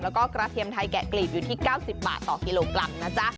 แล้วก็กระเทียมไทยแกะกลีบอยู่ที่๙๐บาทต่อกิโลกรัมนะจ๊ะ